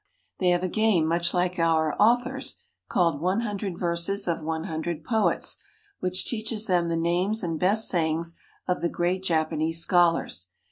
They have a game much like our "Authors," called " One Hundred Verses of One Hundred Poets," which teaches them the names and best sayings of the great Japanese scholars.